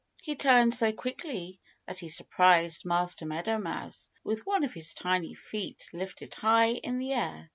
He turned so quickly that he surprised Master Meadow Mouse with one of his tiny feet lifted high in the air.